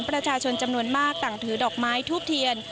ประชาชนจำนวนมากต่างถือดอกไม้ทูบเทียน